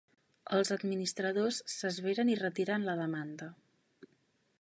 Els administradors s'esveren i retiren la demanda.